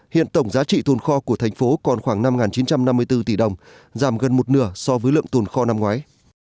hiện tổng giá trị tồn kho của thành phố còn khoảng năm chín trăm năm mươi bốn tỷ đồng giảm gần một nửa so với lượng tồn kho năm ngoái